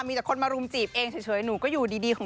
ไปแจ้งความที่สอนออกประทุมวัน